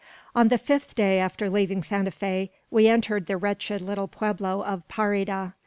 On the fifth day after leaving Santa Fe, we entered the wretched little pueblo of Parida.